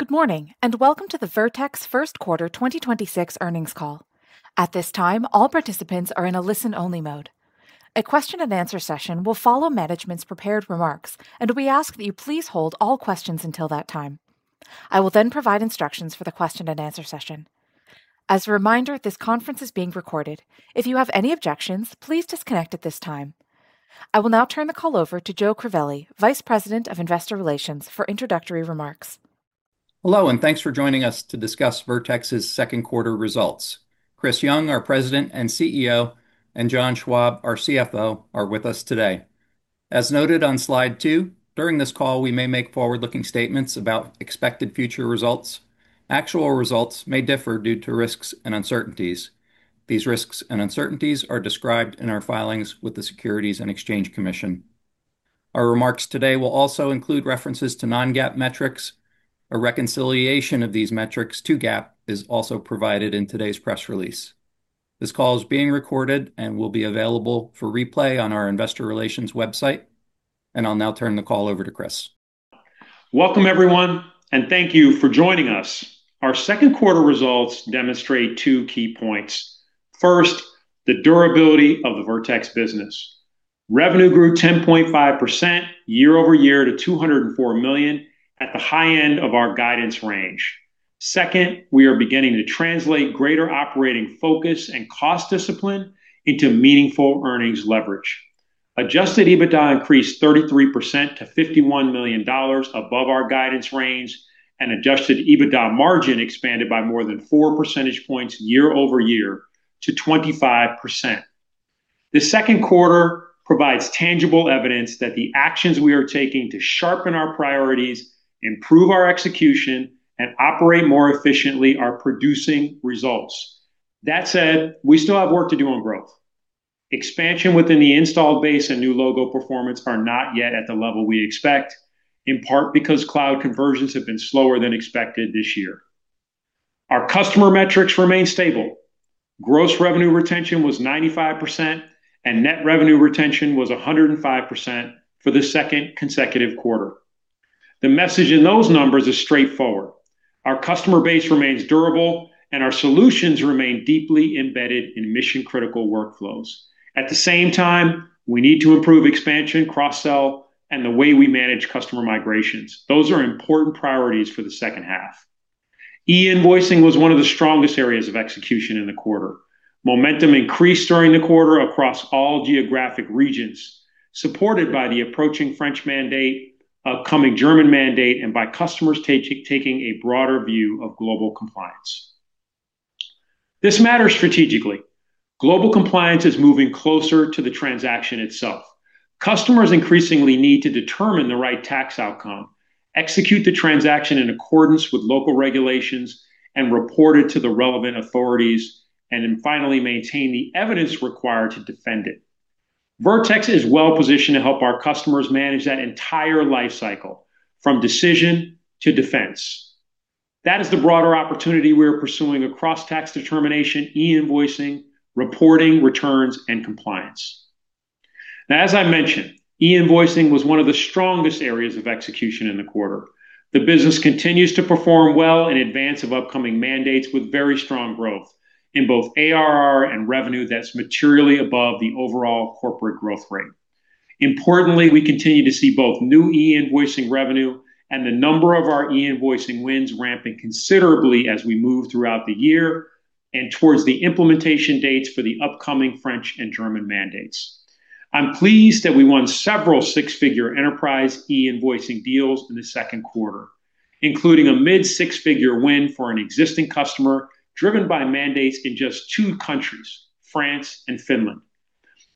Good morning, welcome to the Vertex First Quarter 2026 Earnings Call. At this time, all participants are in a listen-only mode. A question and answer session will follow management's prepared remarks, we ask that you please hold all questions until that time. I will provide instructions for the question and answer session. As a reminder, this conference is being recorded. If you have any objections, please disconnect at this time. I will now turn the call over to Joe Crivelli, Vice President of Investor Relations, for introductory remarks. Hello, thanks for joining us to discuss Vertex's second quarter results. Chris Young, our President and CEO, John Schwab, our CFO, are with us today. As noted on slide two, during this call, we may make forward-looking statements about expected future results. Actual results may differ due to risks and uncertainties. These risks and uncertainties are described in our filings with the Securities and Exchange Commission. Our remarks today will also include references to non-GAAP metrics. A reconciliation of these metrics to GAAP is also provided in today's press release. This call is being recorded and will be available for replay on our investor relations website. I'll now turn the call over to Chris. Welcome, everyone, and thank you for joining us. Our second quarter results demonstrate two key points. First, the durability of the Vertex business. Revenue grew 10.5% year-over-year to $204 million at the high end of our guidance range. Second, we are beginning to translate greater operating focus and cost discipline into meaningful earnings leverage. Adjusted EBITDA increased 33% to $51 million above our guidance range, and adjusted EBITDA margin expanded by more than 4 percentage points year-over-year to 25%. This second quarter provides tangible evidence that the actions we are taking to sharpen our priorities, improve our execution, and operate more efficiently are producing results. That said, we still have work to do on growth. Expansion within the installed base and new logo performance are not yet at the level we expect, in part because cloud conversions have been slower than expected this year. Our customer metrics remain stable. Gross revenue retention was 95%, and net revenue retention was 105% for the second consecutive quarter. The message in those numbers is straightforward. Our customer base remains durable, and our solutions remain deeply embedded in mission-critical workflows. At the same time, we need to improve expansion, cross-sell, and the way we manage customer migrations. Those are important priorities for the second half. E-invoicing was one of the strongest areas of execution in the quarter. Momentum increased during the quarter across all geographic regions, supported by the approaching French mandate, upcoming German mandate, and by customers taking a broader view of global compliance. This matters strategically. Global compliance is moving closer to the transaction itself. Customers increasingly need to determine the right tax outcome, execute the transaction in accordance with local regulations, report it to the relevant authorities, then finally, maintain the evidence required to defend it. Vertex is well-positioned to help our customers manage that entire life cycle, from decision to defense. That is the broader opportunity we're pursuing across tax determination, e-invoicing, reporting, returns, and compliance. As I mentioned, e-invoicing was one of the strongest areas of execution in the quarter. The business continues to perform well in advance of upcoming mandates with very strong growth in both ARR and revenue that's materially above the overall corporate growth rate. Importantly, we continue to see both new e-invoicing revenue and the number of our e-invoicing wins ramping considerably as we move throughout the year and towards the implementation dates for the upcoming French and German mandates. I'm pleased that we won several six-figure enterprise e-invoicing deals in the second quarter, including a mid six-figure win for an existing customer driven by mandates in just two countries, France and Finland.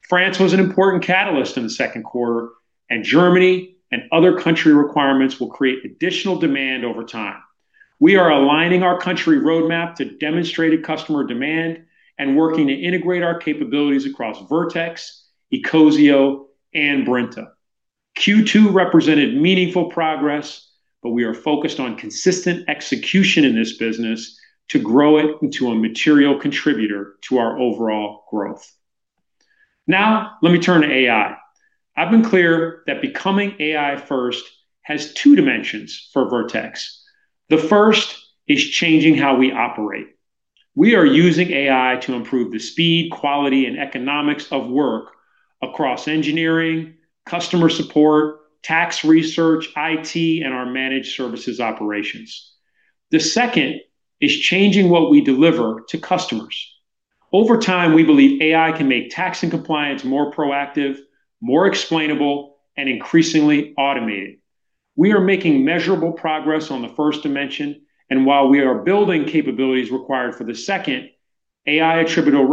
France was an important catalyst in the second quarter, and Germany and other country requirements will create additional demand over time. We are aligning our country roadmap to demonstrated customer demand and working to integrate our capabilities across Vertex, ecosio, and Brinta. Q2 represented meaningful progress, we are focused on consistent execution in this business to grow it into a material contributor to our overall growth. Let me turn to AI. I've been clear that becoming AI first has two dimensions for Vertex. The first is changing how we operate. We are using AI to improve the speed, quality, and economics of work across engineering, customer support, tax research, IT, and our managed services operations. The second is changing what we deliver to customers. Over time, we believe AI can make tax and compliance more proactive, more explainable, and increasingly automated. We are making measurable progress on the first dimension, and while we are building capabilities required for the second, AI attributable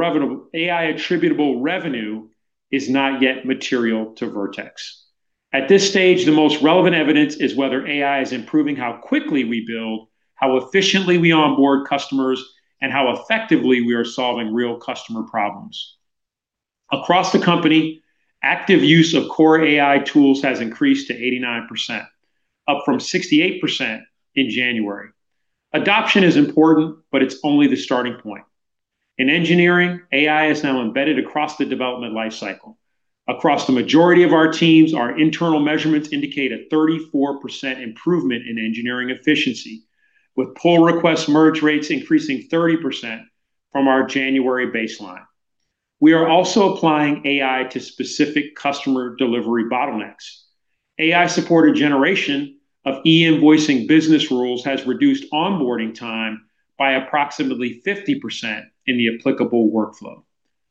revenue is not yet material to Vertex. At this stage, the most relevant evidence is whether AI is improving how quickly we build, how efficiently we onboard customers, and how effectively we are solving real customer problems. Across the company, active use of core AI tools has increased to 89%, up from 68% in January. Adoption is important, it's only the starting point. In engineering, AI is now embedded across the development life cycle. Across the majority of our teams, our internal measurements indicate a 34% improvement in engineering efficiency, with pull request merge rates increasing 30% from our January baseline. We are also applying AI to specific customer delivery bottlenecks. AI-supported generation of e-invoicing business rules has reduced onboarding time by approximately 50% in the applicable workflow.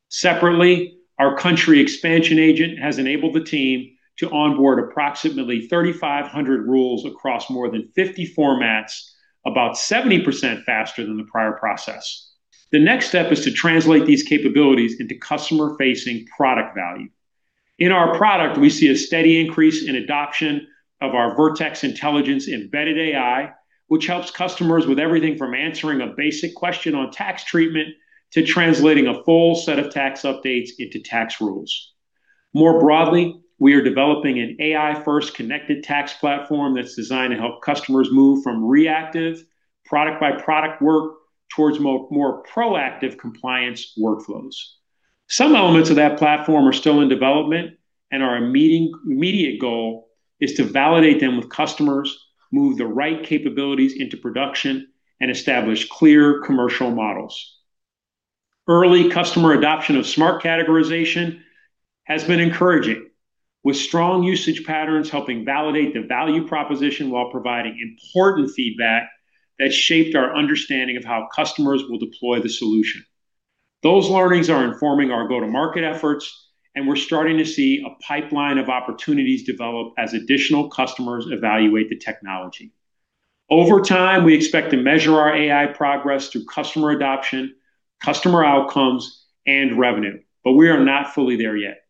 Separately, our country expansion agent has enabled the team to onboard approximately 3,500 rules across more than 50 formats, about 70% faster than the prior process. The next step is to translate these capabilities into customer-facing product value. In our product, we see a steady increase in adoption of our Vertex Intelligence embedded AI, which helps customers with everything from answering a basic question on tax treatment to translating a full set of tax updates into tax rules. More broadly, we are developing an AI-first connected tax platform that's designed to help customers move from reactive product-by-product work towards more proactive compliance workflows. Some elements of that platform are still in development and our immediate goal is to validate them with customers, move the right capabilities into production, and establish clear commercial models. Early customer adoption of Smart Categorization has been encouraging, with strong usage patterns helping validate the value proposition while providing important feedback that shaped our understanding of how customers will deploy the solution. Those learnings are informing our go-to-market efforts, and we're starting to see a pipeline of opportunities develop as additional customers evaluate the technology. Over time, we expect to measure our AI progress through customer adoption, customer outcomes, and revenue, but we are not fully there yet.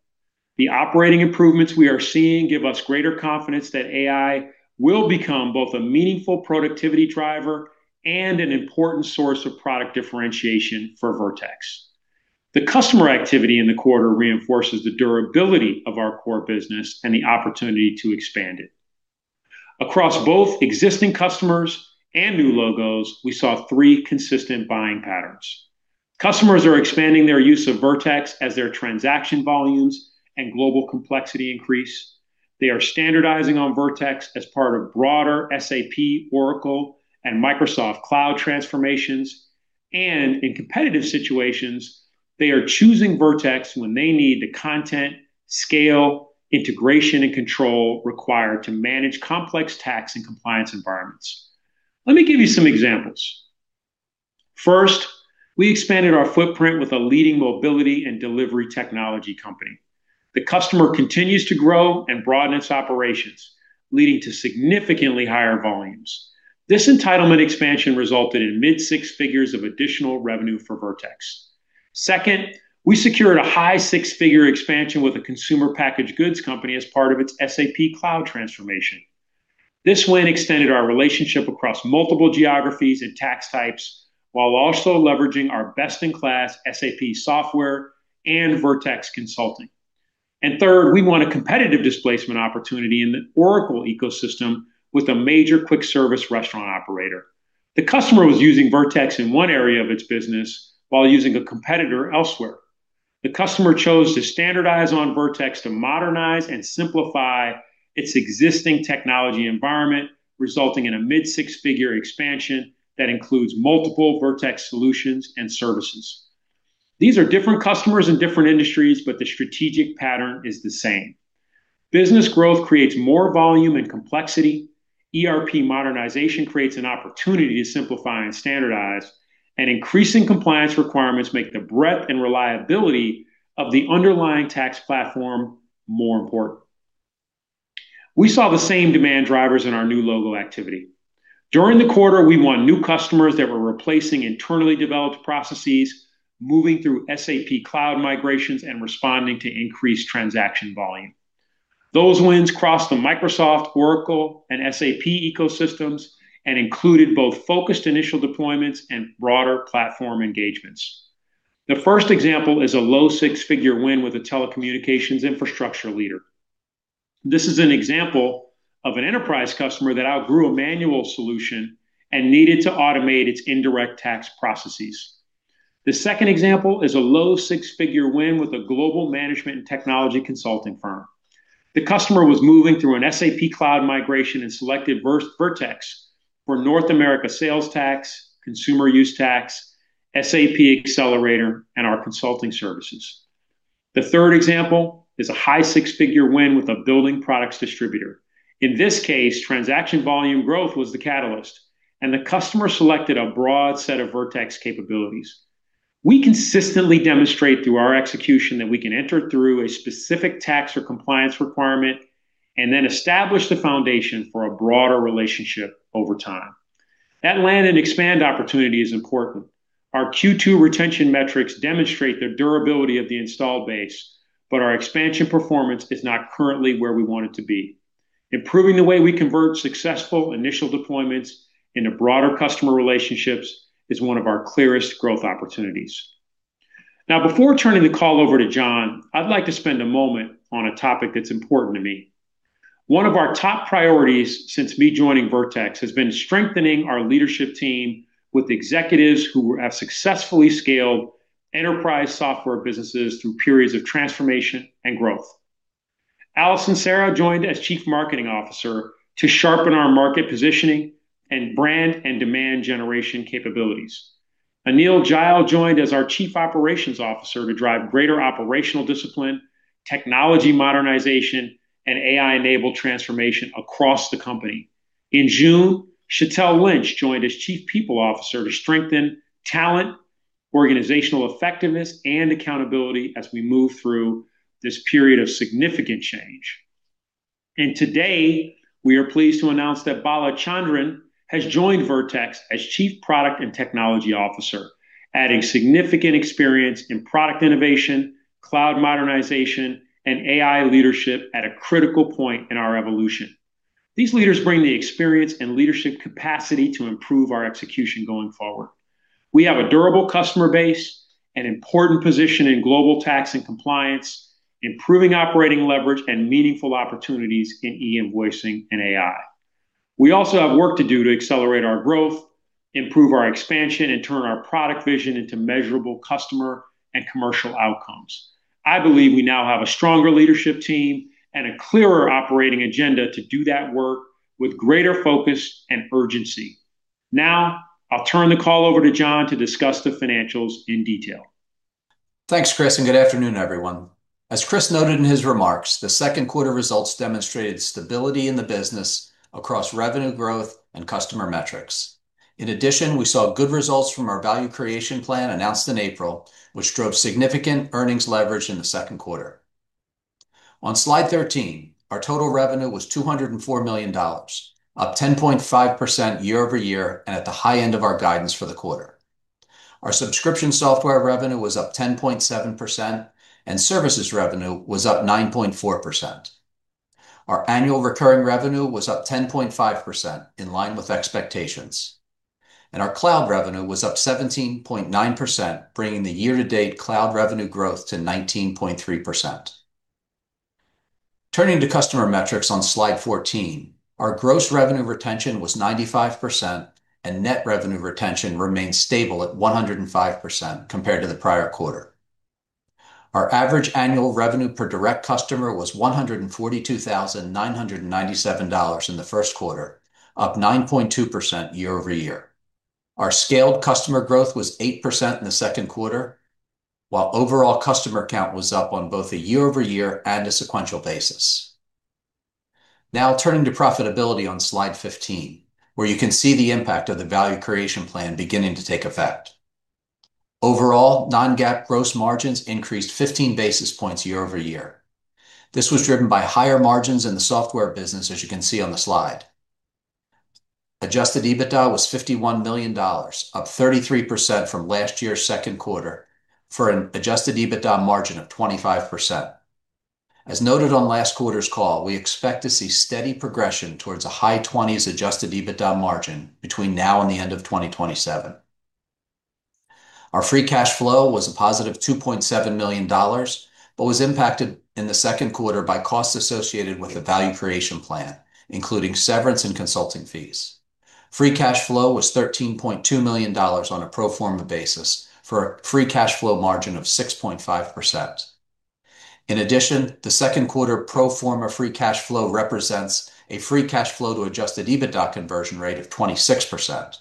The operating improvements we are seeing give us greater confidence that AI will become both a meaningful productivity driver and an important source of product differentiation for Vertex. The customer activity in the quarter reinforces the durability of our core business and the opportunity to expand it. Across both existing customers and new logos, we saw three consistent buying patterns. Customers are expanding their use of Vertex as their transaction volumes and global complexity increase. They are standardizing on Vertex as part of broader SAP, Oracle, and Microsoft cloud transformations. In competitive situations, they are choosing Vertex when they need the content, scale, integration, and control required to manage complex tax and compliance environments. Let me give you some examples. First, we expanded our footprint with a leading mobility and delivery technology company. The customer continues to grow and broaden its operations, leading to significantly higher volumes. This entitlement expansion resulted in mid-six figures of additional revenue for Vertex. Second, we secured a high six-figure expansion with a consumer packaged goods company as part of its SAP cloud transformation. This win extended our relationship across multiple geographies and tax types, while also leveraging our best-in-class SAP software and Vertex consulting. Third, we won a competitive displacement opportunity in the Oracle ecosystem with a major quick service restaurant operator. The customer was using Vertex in one area of its business while using a competitor elsewhere. The customer chose to standardize on Vertex to modernize and simplify its existing technology environment, resulting in a mid-six-figure expansion that includes multiple Vertex solutions and services. These are different customers in different industries, but the strategic pattern is the same. Business growth creates more volume and complexity, ERP modernization creates an opportunity to simplify and standardize, and increasing compliance requirements make the breadth and reliability of the underlying tax platform more important. We saw the same demand drivers in our new logo activity. During the quarter, we won new customers that were replacing internally developed processes, moving through SAP cloud migrations, and responding to increased transaction volume. Those wins crossed the Microsoft, Oracle, and SAP ecosystems and included both focused initial deployments and broader platform engagements. The first example is a low six-figure win with a telecommunications infrastructure leader. This is an example of an enterprise customer that outgrew a manual solution and needed to automate its indirect tax processes. The second example is a low six-figure win with a global management and technology consulting firm. The customer was moving through an SAP cloud migration and selected Vertex for North America sales tax, consumer use tax, SAP Accelerator, and our consulting services. The third example is a high six-figure win with a building products distributor. In this case, transaction volume growth was the catalyst, the customer selected a broad set of Vertex capabilities. We consistently demonstrate through our execution that we can enter through a specific tax or compliance requirement and then establish the foundation for a broader relationship over time. That land and expand opportunity is important. Our Q2 retention metrics demonstrate the durability of the install base, our expansion performance is not currently where we want it to be. Improving the way we convert successful initial deployments into broader customer relationships is one of our clearest growth opportunities. Before turning the call over to John, I'd like to spend a moment on a topic that's important to me. One of our top priorities since me joining Vertex has been strengthening our leadership team with executives who have successfully scaled enterprise software businesses through periods of transformation and growth. Allison Cerra joined as Chief Marketing Officer to sharpen our market positioning and brand and demand generation capabilities. Aneel Jaeel joined as our Chief Operations Officer to drive greater operational discipline, technology modernization, and AI-enabled transformation across the company. In June, Chatelle Lynch joined as Chief People Officer to strengthen talent, organizational effectiveness, and accountability as we move through this period of significant change. Today, we are pleased to announce that Bala Chandran has joined Vertex as Chief Product and Technology Officer, adding significant experience in product innovation, cloud modernization, and AI leadership at a critical point in our evolution. These leaders bring the experience and leadership capacity to improve our execution going forward. We have a durable customer base, an important position in global tax and compliance, improving operating leverage, and meaningful opportunities in e-invoicing and AI. We also have work to do to accelerate our growth, improve our expansion, and turn our product vision into measurable customer and commercial outcomes. I believe we now have a stronger leadership team and a clearer operating agenda to do that work with greater focus and urgency. I'll turn the call over to John to discuss the financials in detail. Thanks, Chris, and good afternoon, everyone. As Chris noted in his remarks, the second quarter results demonstrated stability in the business across revenue growth and customer metrics. In addition, we saw good results from our value creation plan announced in April, which drove significant earnings leverage in the second quarter. On slide 13, our total revenue was $204 million, up 10.5% year-over-year, at the high end of our guidance for the quarter. Our subscription software revenue was up 10.7%, services revenue was up 9.4%. Our annual recurring revenue was up 10.5%, in line with expectations. Our cloud revenue was up 17.9%, bringing the year-to-date cloud revenue growth to 19.3%. Turning to customer metrics on slide 14, our gross revenue retention was 95%, and net revenue retention remained stable at 105% compared to the prior quarter. Our average annual revenue per direct customer was $142,997 in the first quarter, up 9.2% year-over-year. Our scaled customer growth was 8% in the second quarter, while overall customer count was up on both a year-over-year and a sequential basis. Turning to profitability on slide 15, where you can see the impact of the value creation plan beginning to take effect. Overall, non-GAAP gross margins increased 15 basis points year-over-year. This was driven by higher margins in the software business, as you can see on the slide. Adjusted EBITDA was $51 million, up 33% from last year's second quarter, for an adjusted EBITDA margin of 25%. As noted on last quarter's call, we expect to see steady progression towards a high 20s adjusted EBITDA margin between now and the end of 2027. Our free cash flow was a $+2.7 million, was impacted in the second quarter by costs associated with the value creation plan, including severance and consulting fees. Free cash flow was $13.2 million on a pro forma basis for a free cash flow margin of 6.5%. In addition, the second quarter pro forma free cash flow represents a free cash flow to adjusted EBITDA conversion rate of 26%.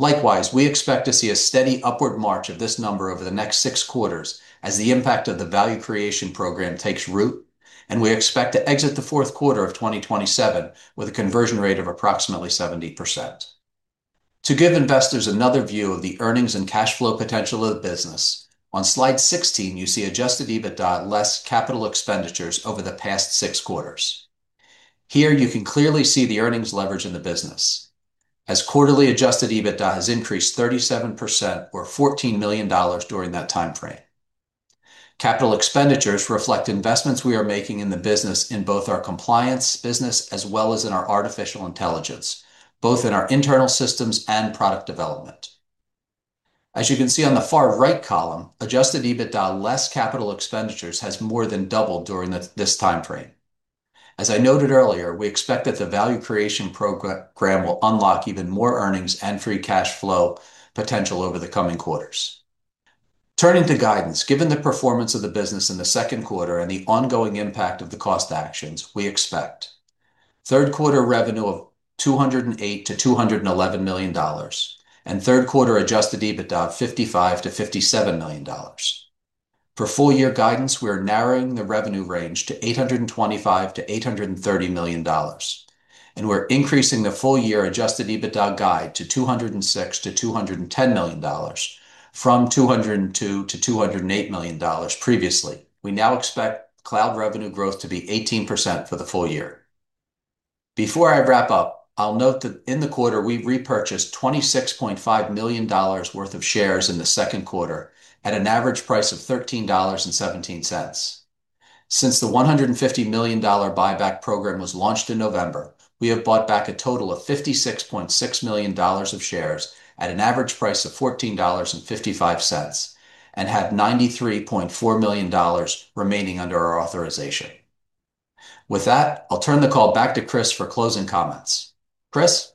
Likewise, we expect to see a steady upward march of this number over the next six quarters as the impact of the value creation program takes root, and we expect to exit the fourth quarter of 2027 with a conversion rate of approximately 70%. To give investors another view of the earnings and cash flow potential of the business, on slide 16, you see adjusted EBITDA less capital expenditures over the past six quarters. Here you can clearly see the earnings leverage in the business. Quarterly adjusted EBITDA has increased 37%, or $14 million during that timeframe. Capital expenditures reflect investments we are making in the business in both our compliance business as well as in our artificial intelligence, both in our internal systems and product development. You can see on the far right column, adjusted EBITDA less capital expenditures has more than doubled during this timeframe. I noted earlier, we expect that the value creation program will unlock even more earnings and free cash flow potential over the coming quarters. Turning to guidance, given the performance of the business in the second quarter and the ongoing impact of the cost actions, we expect third quarter revenue of $208 million-$211 million, and third quarter adjusted EBITDA of $55 million-$57 million. For full year guidance, we are narrowing the revenue range to $825 million-$830 million, and we're increasing the full year adjusted EBITDA guide to $206 million-$210 million from $202 million-$208 million previously. We now expect cloud revenue growth to be 18% for the full year. Before I wrap up, I'll note that in the quarter, we repurchased $26.5 million worth of shares in the second quarter at an average price of $13.17. Since the $150 million buyback program was launched in November, we have bought back a total of $56.6 million of shares at an average price of $14.55 and have $93.4 million remaining under our authorization. I'll turn the call back to Chris for closing comments. Chris?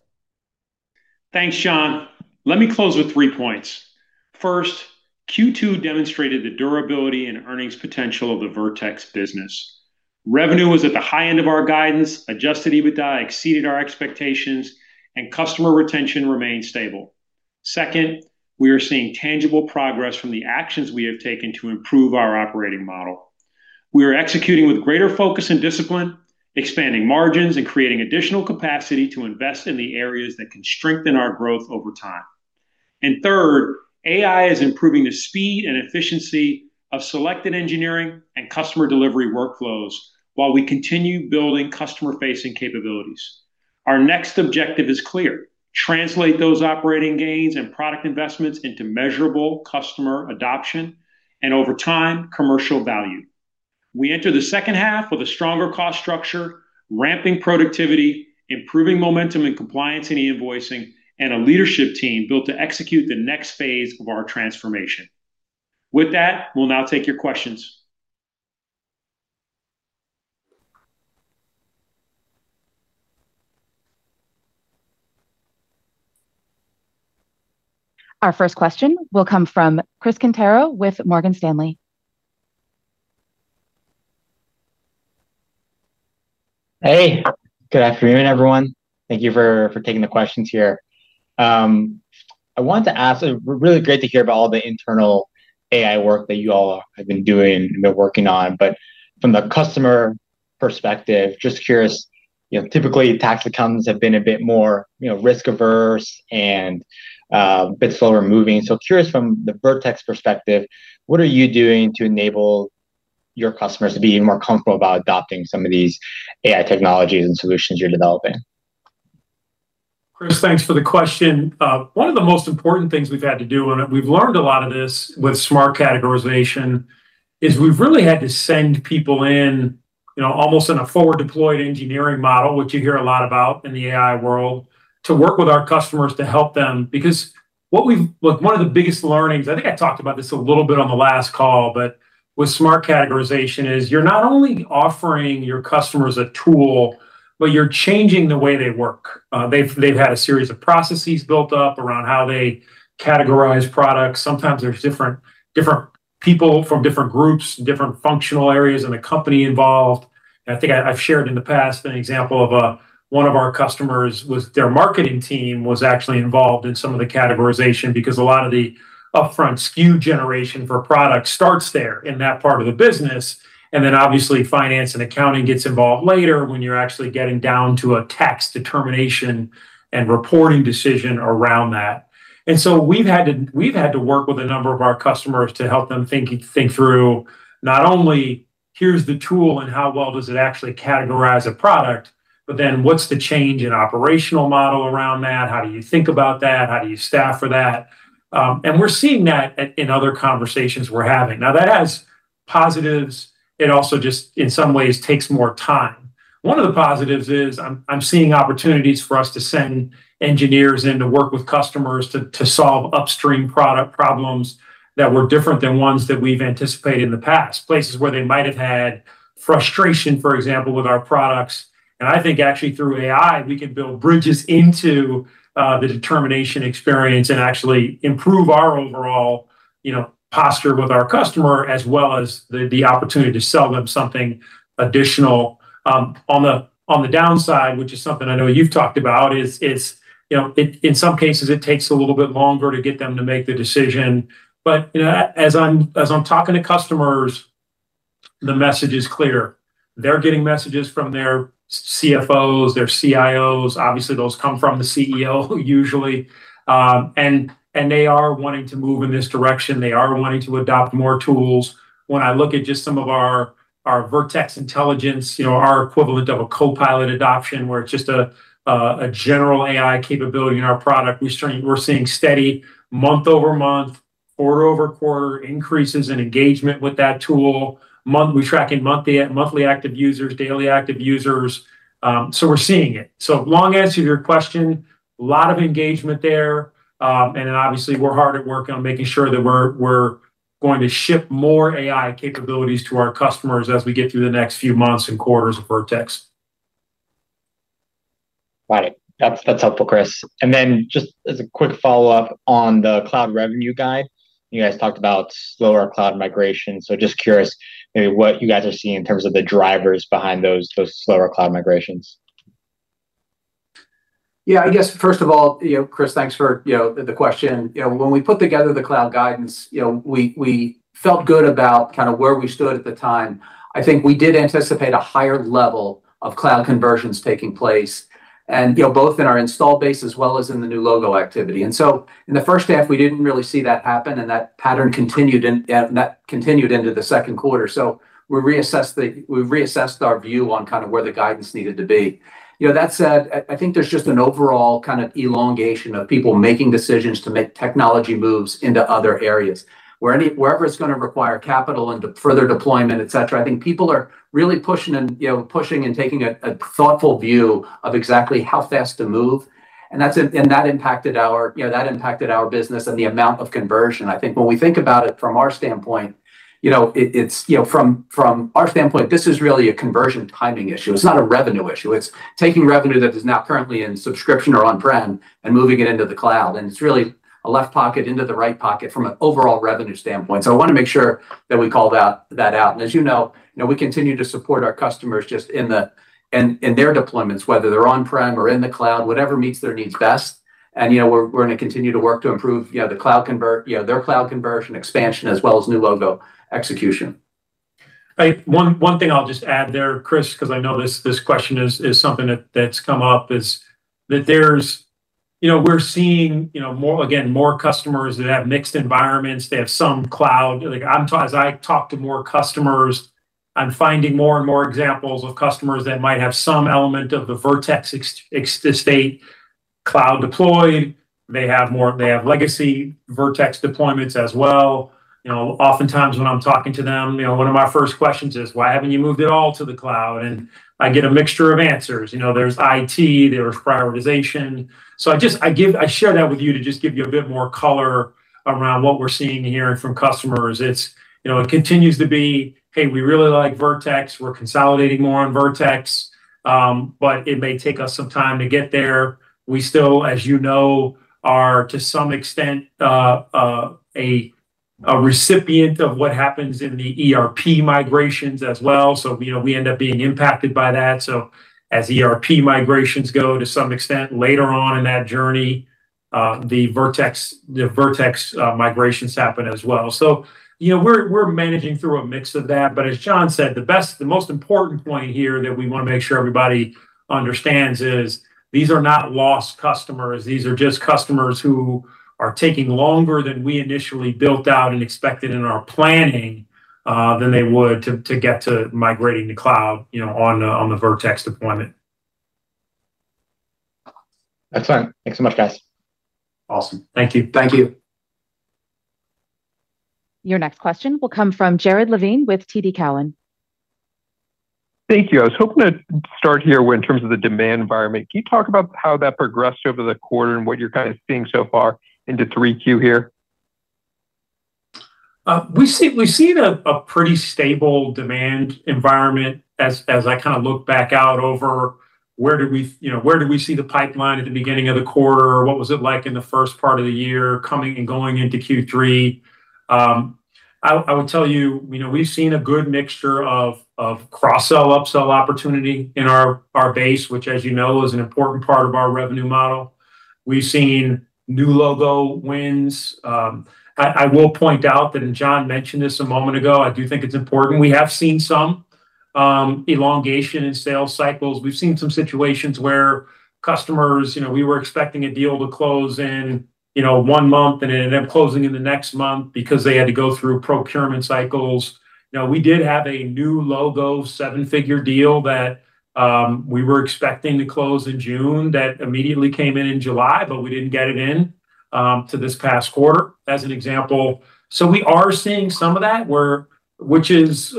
Thanks, Schwab. Let me close with three points. First, Q2 demonstrated the durability and earnings potential of the Vertex business. Revenue was at the high end of our guidance, adjusted EBITDA exceeded our expectations, and customer retention remained stable. Second, we are seeing tangible progress from the actions we have taken to improve our operating model. We are executing with greater focus and discipline, expanding margins, and creating additional capacity to invest in the areas that can strengthen our growth over time. Third, AI is improving the speed and efficiency of selected engineering and customer delivery workflows, while we continue building customer-facing capabilities. Our next objective is clear: translate those operating gains and product investments into measurable customer adoption and, over time, commercial value. We enter the second half with a stronger cost structure, ramping productivity, improving momentum in compliance and e-invoicing, and a leadership team built to execute the next phase of our transformation. With that, we'll now take your questions. Our first question will come from Chris Quintero with Morgan Stanley. Hey, good afternoon, everyone. Thank you for taking the questions here. Really great to hear about all the internal AI work that you all have been doing and been working on. From the customer perspective, just curious, typically tax accountants have been a bit more risk-averse and a bit slower moving. Curious from the Vertex perspective, what are you doing to enable your customers to be more comfortable about adopting some of these AI technologies and solutions you're developing? Chris, thanks for the question. One of the most important things we've had to do, and we've learned a lot of this with Smart Categorization, is we've really had to send people in, almost in a forward deployed engineering model, which you hear a lot about in the AI world, to work with our customers to help them. One of the biggest learnings, I think I talked about this a little bit on the last call, but with Smart Categorization, is you're not only offering your customers a tool, but you're changing the way they work. They've had a series of processes built up around how they categorize products. Sometimes there's different people from different groups, different functional areas in a company involved. I think I've shared in the past an example of one of our customers was their marketing team was actually involved in some of the categorization because a lot of the upfront SKU generation for product starts there in that part of the business. Then obviously finance and accounting gets involved later when you're actually getting down to a tax determination and reporting decision around that. We've had to work with a number of our customers to help them think through not only here's the tool and how well does it actually categorize a product, what's the change in operational model around that? How do you think about that? How do you staff for that? And we're seeing that in other conversations we're having. Now, that has positives. It also just in some ways takes more time. One of the positives is I'm seeing opportunities for us to send engineers in to work with customers to solve upstream product problems that were different than ones that we've anticipated in the past. Places where they might have had frustration, for example, with our products. I think actually through AI, we can build bridges into the determination experience and actually improve our overall posture with our customer, as well as the opportunity to sell them something additional. On the downside, which is something I know you've talked about, in some cases, it takes a little bit longer to get them to make the decision. As I'm talking to customers, the message is clear. They're getting messages from their CFOs, their CIOs, obviously those come from the CEO usually. They are wanting to move in this direction. They are wanting to adopt more tools. When I look at just some of our Vertex Intelligence, our equivalent of a copilot adoption, where it's just a general AI capability in our product, we're seeing steady month-over-month, quarter-over-quarter increases in engagement with that tool. We're tracking monthly active users, daily active users. We're seeing it. Long answer to your question, lot of engagement there. Obviously we're hard at work on making sure that we're going to ship more AI capabilities to our customers as we get through the next few months and quarters of Vertex. Got it. That's helpful, Chris. Just as a quick follow-up on the cloud revenue guide, you guys talked about slower cloud migration. Just curious maybe what you guys are seeing in terms of the drivers behind those slower cloud migrations. Yeah, I guess first of all, Chris, thanks for the question. When we put together the cloud guidance, we felt good about where we stood at the time. I think we did anticipate a higher level of cloud conversions taking place, both in our install base as well as in the new logo activity. In the first half, we didn't really see that happen, and that pattern continued into the second quarter. We've reassessed our view on where the guidance needed to be. That said, I think there's just an overall elongation of people making decisions to make technology moves into other areas. Wherever it's going to require capital and further deployment, et cetera, I think people are really pushing and taking a thoughtful view of exactly how fast to move. That impacted our business and the amount of conversion. I think when we think about it from our standpoint, this is really a conversion timing issue. It's not a revenue issue. It's taking revenue that is now currently in subscription or on-prem and moving it into the cloud. It's really a left pocket into the right pocket from an overall revenue standpoint. I want to make sure that we call that out. As you know, we continue to support our customers just in their deployments, whether they're on-prem or in the cloud, whatever meets their needs best. We're going to continue to work to improve their cloud conversion expansion as well as new logo execution. One thing I'll just add there, Chris, because I know this question is something that's come up, is that we're seeing, again, more customers that have mixed environments. They have some cloud. As I talk to more customers, I'm finding more and more examples of customers that might have some element of the Vertex estate cloud deployed. They have legacy Vertex deployments as well. Often times when I'm talking to them, one of my first questions is, "Why haven't you moved it all to the cloud?" I get a mixture of answers. There's IT, there's prioritization. I share that with you to just give you a bit more color around what we're seeing and hearing from customers. It continues to be, "Hey, we really like Vertex. We're consolidating more on Vertex, but it may take us some time to get there. We still, as you know, are to some extent, a recipient of what happens in the ERP migrations as well. We end up being impacted by that. As ERP migrations go to some extent later on in that journey, the Vertex migrations happen as well. We're managing through a mix of that. As John said, the most important point here that we want to make sure everybody understands is these are not lost customers. These are just customers who are taking longer than we initially built out and expected in our planning, than they would to get to migrating to cloud, on the Vertex deployment. That's fine. Thanks so much, guys. Awesome. Thank you. Thank you. Your next question will come from Jared Levine with TD Cowen. Thank you. I was hoping to start here in terms of the demand environment. Can you talk about how that progressed over the quarter and what you're seeing so far into three Q here? We've seen a pretty stable demand environment as I look back out over where did we see the pipeline at the beginning of the quarter, or what was it like in the first part of the year coming and going into Q3? I would tell you, we've seen a good mixture of cross-sell, up-sell opportunity in our base, which as you know, is an important part of our revenue model. We've seen new logo wins. I will point out that, and John mentioned this a moment ago, I do think it's important, we have seen some elongation in sales cycles. We've seen some situations where customers, we were expecting a deal to close in one month, and it ended up closing in the next month because they had to go through procurement cycles. We did have a new logo, seven-figure deal that we were expecting to close in June that immediately came in in July, but we didn't get it in to this past quarter, as an example. We are seeing some of that, which is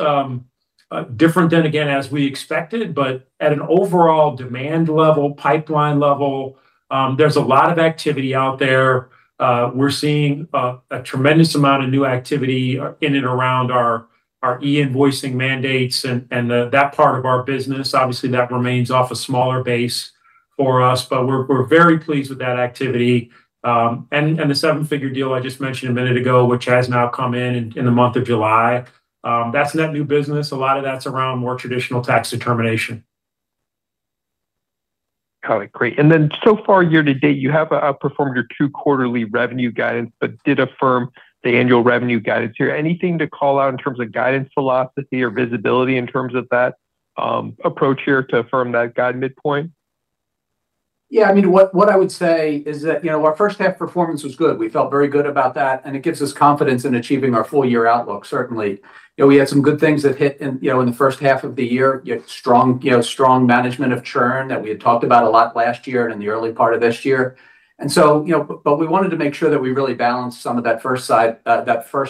different than again, as we expected. At an overall demand level, pipeline level, there's a lot of activity out there. We're seeing a tremendous amount of new activity in and around our e-invoicing mandates and that part of our business, obviously that remains off a smaller base for us, but we're very pleased with that activity. The seven-figure deal I just mentioned a minute ago, which has now come in in the month of July. That's net new business. A lot of that's around more traditional tax determination. Got it. Great. So far, year-to-date, you have outperformed your two quarterly revenue guidance, did affirm the annual revenue guidance here. Anything to call out in terms of guidance philosophy or visibility in terms of that approach here to affirm that guide midpoint? What I would say is that our first half performance was good. We felt very good about that, it gives us confidence in achieving our full year outlook, certainly. We had some good things that hit in the first half of the year. You have strong management of churn that we had talked about a lot last year and in the early part of this year. We wanted to make sure that we really balanced some of that first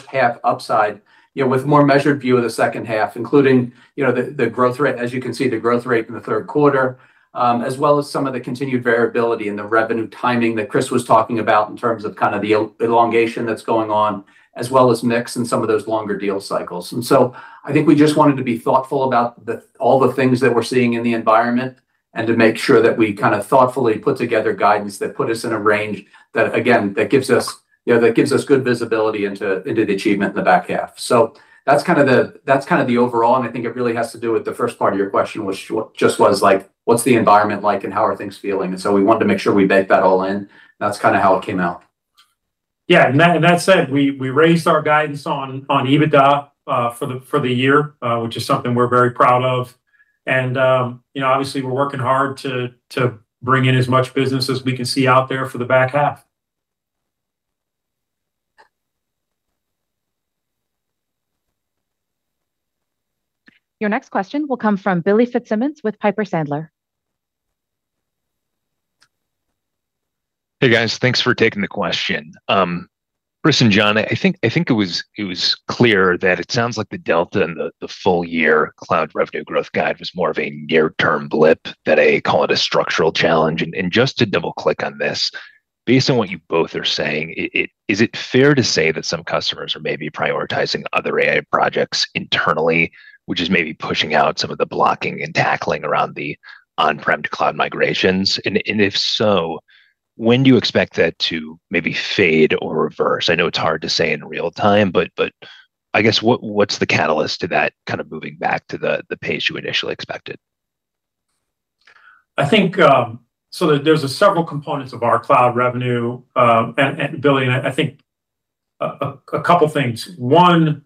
half upside, with more measured view of the second half, including as you can see, the growth rate in the third quarter, as well as some of the continued variability in the revenue timing that Chris was talking about in terms of the elongation that's going on, as well as mix and some of those longer deal cycles. I think we just wanted to be thoughtful about all the things that we're seeing in the environment and to make sure that we thoughtfully put together guidance that put us in a range that, again, that gives us good visibility into the achievement in the back half. That's the overall, I think it really has to do with the first part of your question, which just was like, what's the environment like and how are things feeling? We wanted to make sure we baked that all in, that's how it came out. That said, we raised our guidance on EBITDA, for the year, which is something we're very proud of. Obviously we're working hard to bring in as much business as we can see out there for the back half. Your next question will come from Billy Fitzsimmons with Piper Sandler. Hey, guys. Thanks for taking the question. Chris and John, I think it was clear that it sounds like the delta and the full year cloud revenue growth guide was more of a near term blip than a, call it, a structural challenge. Just to double-click on this, based on what you both are saying, is it fair to say that some customers are maybe prioritizing other AI projects internally, which is maybe pushing out some of the blocking and tackling around the on-prem to cloud migrations? If so, when do you expect that to maybe fade or reverse? I know it's hard to say in real time, but I guess, what's the catalyst to that moving back to the pace you initially expected? I think there's several components of our cloud revenue, and Billy, I think a couple of things. One,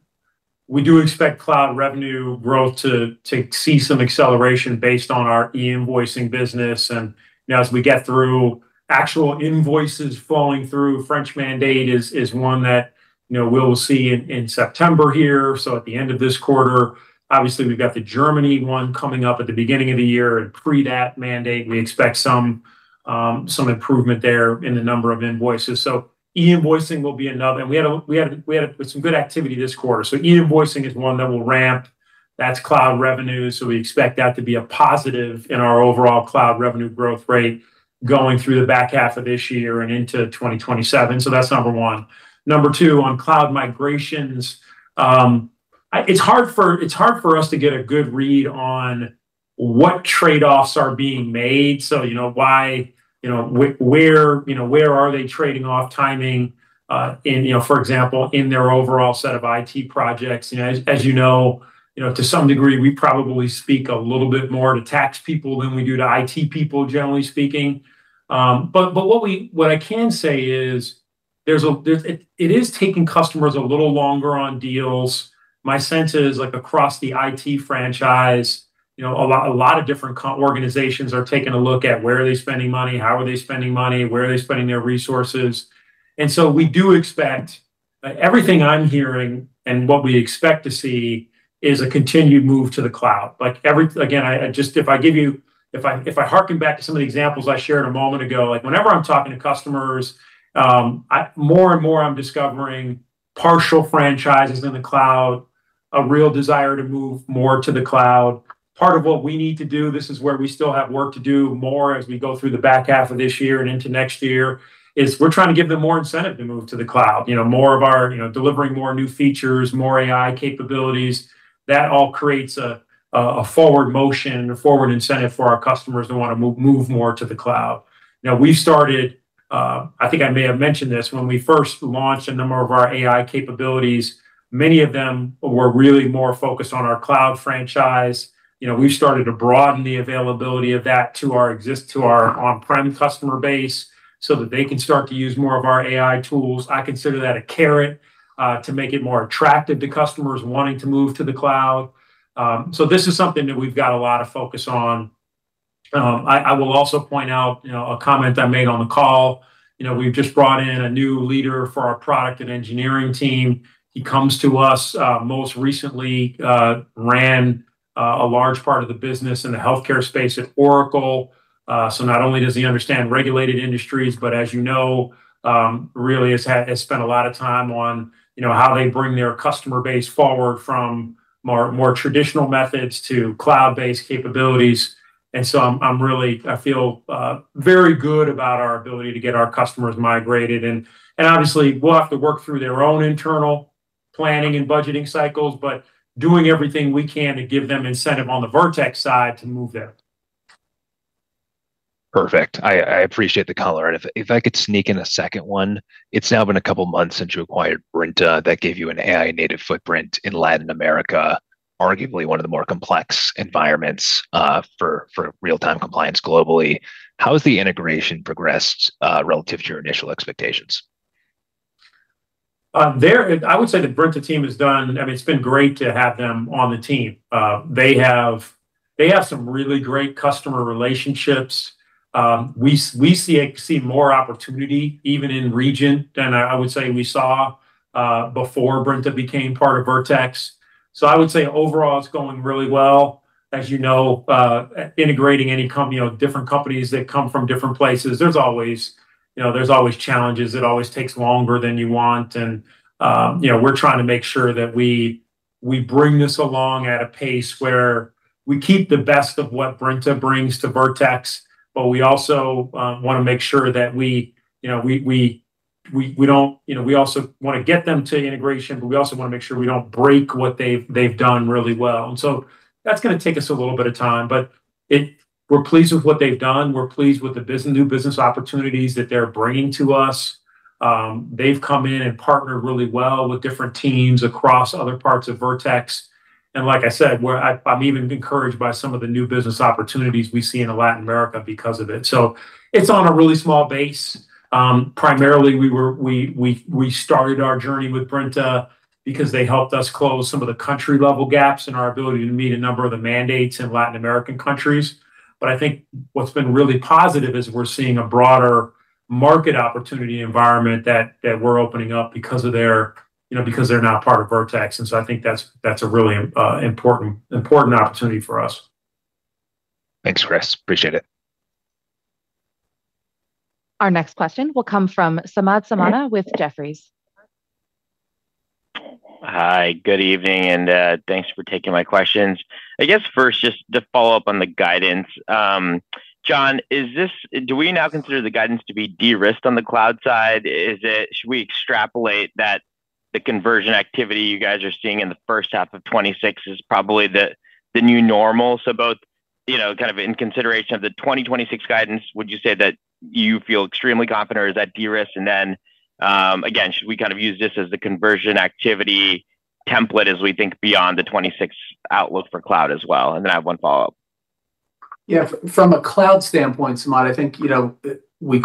we do expect cloud revenue growth to see some acceleration based on our e-invoicing business. Now as we get through actual invoices falling through, French mandate is one that we'll see in September here, at the end of this quarter. Obviously, we've got the Germany one coming up at the beginning of the year. Pre that mandate, we expect some improvement there in the number of invoices. E-invoicing will be another. We had some good activity this quarter. E-invoicing is one that will ramp. That's cloud revenue, so we expect that to be a positive in our overall cloud revenue growth rate going through the back half of this year and into 2027. That's number one. Number two, on cloud migrations, it's hard for us to get a good read on what trade-offs are being made. Why, where are they trading off timing, for example, in their overall set of IT projects? As you know, to some degree, we probably speak a little bit more to tax people than we do to IT people, generally speaking. What I can say is, it is taking customers a little longer on deals. My sense is across the IT franchise, a lot of different organizations are taking a look at where are they spending money, how are they spending money, where are they spending their resources. We do expect, everything I'm hearing and what we expect to see is a continued move to the cloud. If I harken back to some of the examples I shared a moment ago, whenever I'm talking to customers, more and more I'm discovering partial franchises in the cloud, a real desire to move more to the cloud. Part of what we need to do, this is where we still have work to do, more as we go through the back half of this year and into next year, is we're trying to give them more incentive to move to the cloud. Delivering more new features, more AI capabilities, that all creates a forward motion, a forward incentive for our customers that want to move more to the cloud. We've started, I think I may have mentioned this, when we first launched a number of our AI capabilities, many of them were really more focused on our cloud franchise. We've started to broaden the availability of that to our on-prem customer base so that they can start to use more of our AI tools. I consider that a carrot to make it more attractive to customers wanting to move to the cloud. This is something that we've got a lot of focus on. I will also point out a comment I made on the call. We've just brought in a new leader for our product and engineering team. He comes to us, most recently ran a large part of the business in the healthcare space at Oracle. Not only does he understand regulated industries, but as you know really has spent a lot of time on how they bring their customer base forward from more traditional methods to cloud-based capabilities. I feel very good about our ability to get our customers migrated. Obviously, we'll have to work through their own internal planning and budgeting cycles, but doing everything we can to give them incentive on the Vertex side to move there. Perfect. I appreciate the color. If I could sneak in a second one. It's now been a couple of months since you acquired Brinta that gave you an AI-native footprint in Latin America, arguably one of the more complex environments for real-time compliance globally. How has the integration progressed relative to your initial expectations? It's been great to have them on the team. They have some really great customer relationships. We see more opportunity even in region than I would say we saw before Brinta became part of Vertex. I would say overall, it's going really well. As you know integrating different companies that come from different places, there's always challenges. It always takes longer than you want. We're trying to make sure that we bring this along at a pace where we keep the best of what Brinta brings to Vertex. We also want to get them to integration, but we also want to make sure we don't break what they've done really well. That's going to take us a little bit of time, but we're pleased with what they've done. We're pleased with the new business opportunities that they're bringing to us. They've come in and partnered really well with different teams across other parts of Vertex. Like I said, I'm even encouraged by some of the new business opportunities we see in Latin America because of it. It's on a really small base. Primarily, we started our journey with Brinta because they helped us close some of the country-level gaps in our ability to meet a number of the mandates in Latin American countries. I think what's been really positive is we're seeing a broader market opportunity environment that we're opening up because they're now part of Vertex. I think that's a really important opportunity for us. Thanks, Chris. Appreciate it. Our next question will come from Samad Samana with Jefferies. Hi, good evening, and thanks for taking my questions. I guess first, just to follow up on the guidance. John, do we now consider the guidance to be de-risked on the cloud side? Should we extrapolate that the conversion activity you guys are seeing in the first half of 2026 is probably the new normal? Both in consideration of the 2026 guidance, would you say that you feel extremely confident, or is that de-risked? Again, should we use this as the conversion activity template as we think beyond the 2026 outlook for cloud as well, then I have one follow-up. Yeah. From a cloud standpoint, Samad, I think we're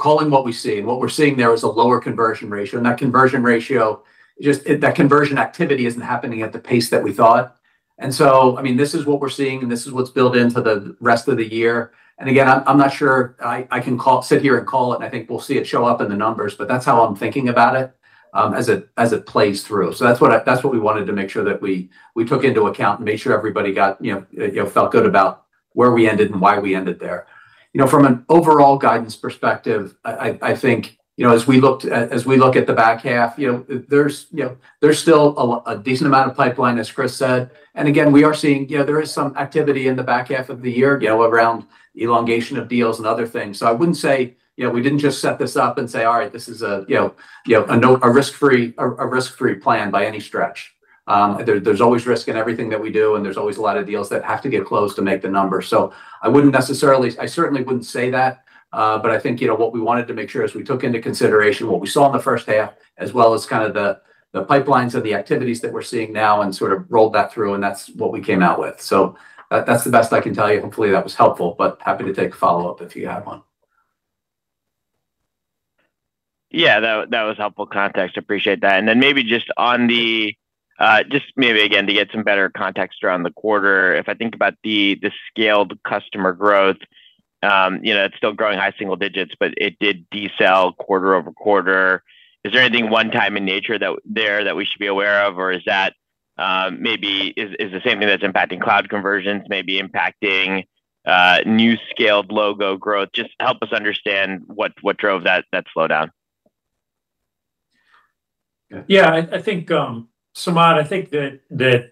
calling what we see, what we're seeing there is a lower conversion ratio. That conversion ratio, just that conversion activity isn't happening at the pace that we thought. This is what we're seeing, and this is what's built into the rest of the year. Again, I'm not sure I can sit here and call it, and I think we'll see it show up in the numbers, but that's how I'm thinking about it as it plays through. That's what we wanted to make sure that we took into account and made sure everybody felt good about where we ended and why we ended there. From an overall guidance perspective, I think, as we look at the back half, there's still a decent amount of pipeline, as Chris said. Again, we are seeing there is some activity in the back half of the year around elongation of deals and other things. I wouldn't say we didn't just set this up and say, all right, this is a risk-free plan by any stretch. There's always risk in everything that we do, and there's always a lot of deals that have to get closed to make the number. I certainly wouldn't say that. I think what we wanted to make sure is we took into consideration what we saw in the first half, as well as the pipelines of the activities that we're seeing now and rolled that through, and that's what we came out with. That's the best I can tell you. Hopefully, that was helpful, but happy to take a follow-up if you have one. Yeah, that was helpful context. Appreciate that. Maybe just, again, to get some better context around the quarter. If I think about the scaled customer growth, it's still growing high single digits, but it did decel quarter-over-quarter. Is there anything one time in nature there that we should be aware of? Is the same thing that's impacting cloud conversions, maybe impacting new scaled logo growth? Just help us understand what drove that slowdown. Samad, I think that,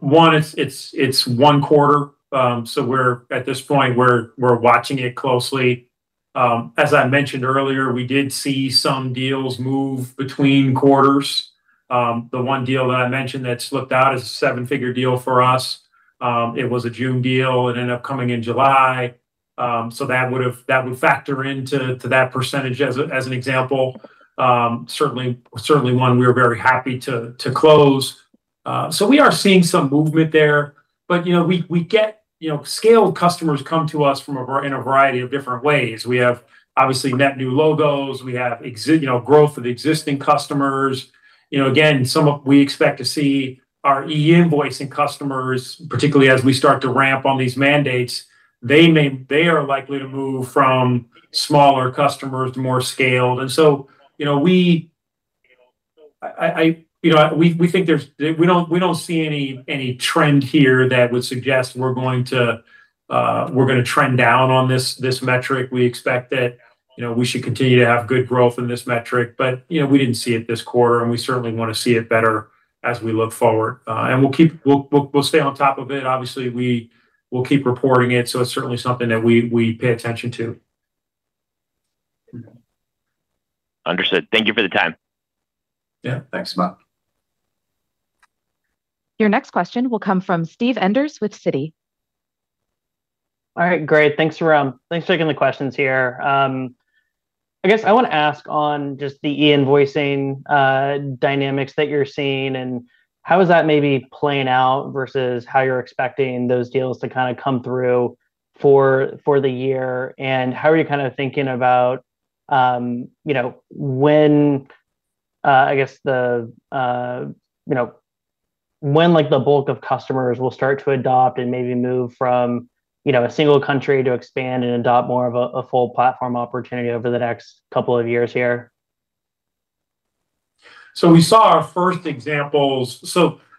one, it's one quarter. At this point, we're watching it closely. As I mentioned earlier, we did see some deals move between quarters. The one deal that I mentioned that slipped out is a seven-figure deal for us. It was a June deal. It ended up coming in July. That would factor into that percentage as an example. Certainly, one we are very happy to close. We are seeing some movement there. Scaled customers come to us in a variety of different ways. We have obviously net new logos. We have growth of existing customers. Again, we expect to see our e-invoicing customers, particularly as we start to ramp on these mandates, they are likely to move from smaller customers to more scaled. We don't see any trend here that would suggest we're going to trend down on this metric. We expect that we should continue to have good growth in this metric. We didn't see it this quarter, and we certainly want to see it better as we look forward. We'll stay on top of it. Obviously, we'll keep reporting it's certainly something that we pay attention to. Understood. Thank you for the time. Yeah. Thanks, Samad. Your next question will come from Steve Enders with Citi. All right, great. Thanks for taking the questions here. I guess I want to ask on just the e-invoicing dynamics that you're seeing, and how is that maybe playing out versus how you're expecting those deals to come through for the year. How are you thinking about when the bulk of customers will start to adopt and maybe move from a single country to expand and adopt more of a full platform opportunity over the next couple of years here? We saw our first examples.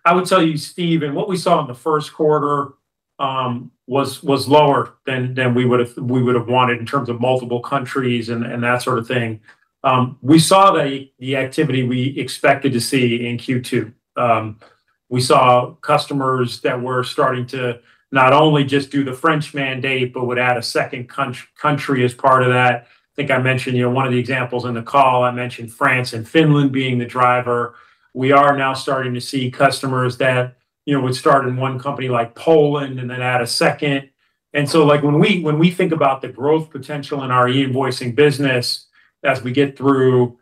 I would tell you, Steve, what we saw in the first quarter was lower than we would've wanted in terms of multiple countries and that sort of thing. We saw the activity we expected to see in Q2. We saw customers that were starting to not only just do the French mandate but would add a second country as part of that. I think I mentioned one of the examples in the call. I mentioned France and Finland being the driver. We are now starting to see customers that would start in one company like Poland and then add a second. When we think about the growth potential in our e-invoicing business as we get through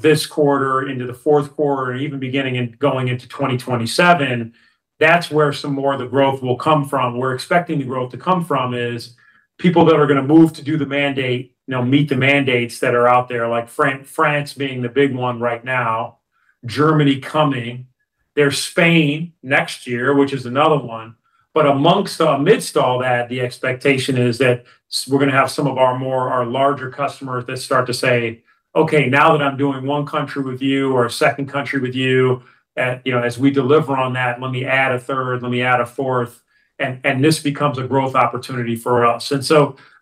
this quarter into the fourth quarter, and even beginning and going into 2027, that's where some more of the growth will come from. We're expecting the growth to come from is people that are going to move to do the mandate, meet the mandates that are out there, like France being the big one right now, Germany coming. There's Spain next year, which is another one. Amidst all that, the expectation is that we're going to have some of our larger customers that start to say, okay, now that I'm doing one country with you or a second country with you, as we deliver on that, let me add a third, let me add a fourth. This becomes a growth opportunity for us.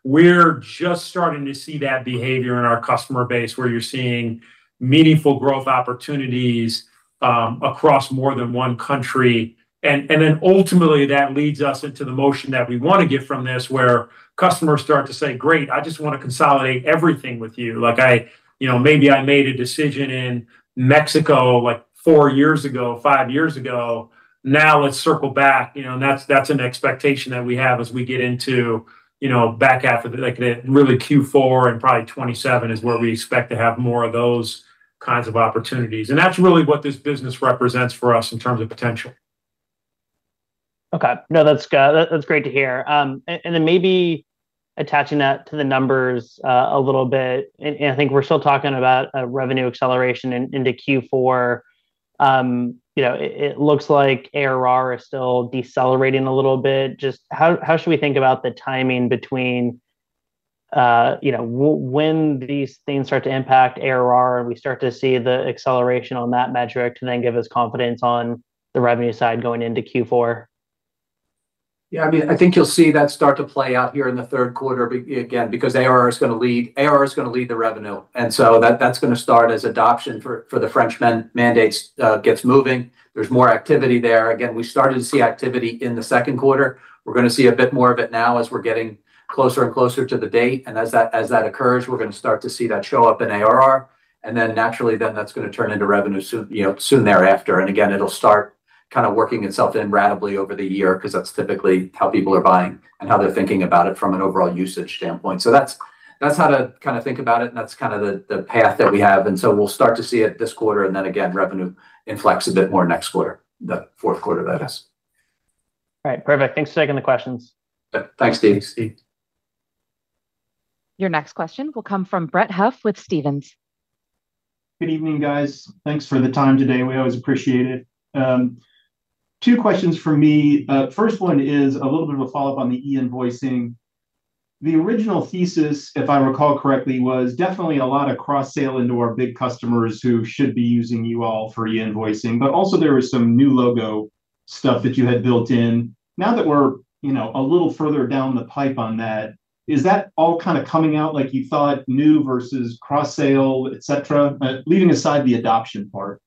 We're just starting to see that behavior in our customer base, where you're seeing meaningful growth opportunities across more than one country. Ultimately, that leads us into the motion that we want to get from this, where customers start to say, "Great, I just want to consolidate everything with you. Maybe I made a decision in Mexico four years ago, five years ago. Now let's circle back." That's an expectation that we have as we get into back half, really Q4 and probably 2027 is where we expect to have more of those kinds of opportunities. That's really what this business represents for us in terms of potential. Okay. No, that's great to hear. Maybe attaching that to the numbers a little bit, I think we're still talking about a revenue acceleration into Q4. It looks like ARR is still decelerating a little bit. Just how should we think about the timing between when these things start to impact ARR, we start to see the acceleration on that metric to then give us confidence on the revenue side going into Q4? I think you'll see that start to play out here in the third quarter, again, because ARR is going to lead the revenue. That's going to start as adoption for the French mandates gets moving. There's more activity there. Again, we started to see activity in the second quarter. We're going to see a bit more of it now as we're getting closer and closer to the date. As that occurs, we're going to start to see that show up in ARR. Naturally, that's going to turn into revenue soon thereafter. Again, it'll start kind of working itself in ratably over the year because that's typically how people are buying and how they're thinking about it from an overall usage standpoint. That's how to think about it, that's the path that we have. We'll start to see it this quarter, again, revenue inflex a bit more next quarter, the fourth quarter that is. All right. Perfect. Thanks for taking the questions. Thanks, Steve. Thanks, Steve. Your next question will come from Brett Huff with Stephens. Good evening, guys. Thanks for the time today. We always appreciate it. Two questions from me. First one is a little bit of a follow-up on the e-invoicing. The original thesis, if I recall correctly, was definitely a lot of cross-sale into our big customers who should be using you all for e-invoicing. Also there was some new logo stuff that you had built in. Now that we're a little further down the pipe on that, is that all coming out like you thought, new versus cross-sale, et cetera, leaving aside the adoption part?